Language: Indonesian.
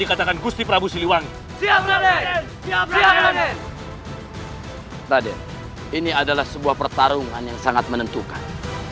dikatakan gusti prabu siliwangi siap raden raden ini adalah sebuah pertarungan yang sangat menentukan